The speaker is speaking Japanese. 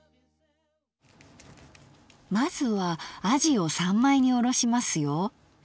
まずはあじを三枚におろしますよ！